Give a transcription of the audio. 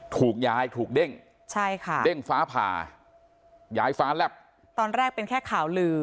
ถูกย้ายถูกเด้งใช่ค่ะเด้งฟ้าผ่าย้ายฟ้าแลบตอนแรกเป็นแค่ข่าวลือ